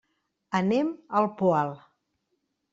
Anem al Poal.